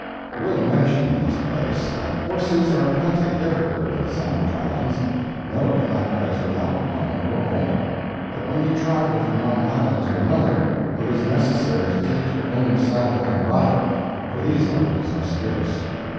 I will mention, in this place, that horses are plenty everywhere in the Sandwich Islands—no Kanaka is without one or more—but when you travel from one island to another, it is necessary to take your own saddle and bridle, for these articles are scarce.